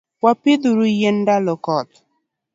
Wapidhuru yien ndalo koth.